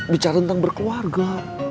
bicara tentang berkeluarga